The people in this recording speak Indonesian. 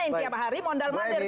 yang tiap hari mondal mandir